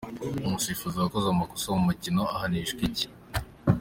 Umusifuzi wakoze amakosa mu mukino ahanishwa iki?.